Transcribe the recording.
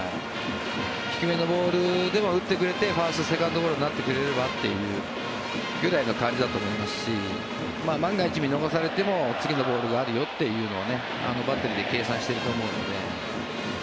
低めのボールでも打ってくれてファースト、セカンドゴロになってくれればというくらいの感じだと思いますし万が一、見逃されても次のボールがあるよというのをバッテリーで計算していると思うので。